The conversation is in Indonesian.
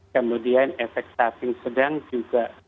kemudian efek samping sedang juga